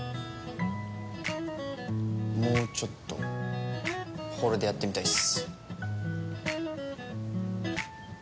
もうちょっとホールでやってみたいっす。